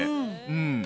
うん。